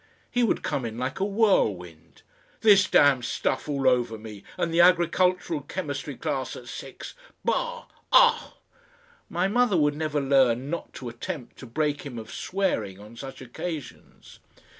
He would come in like a whirlwind. "This damned stuff all over me and the Agricultural Chemistry Class at six! Bah! AAAAAAH!" My mother would never learn not to attempt to break him of swearing on such occasions.